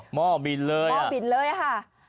หม้อบินเลยค่ะ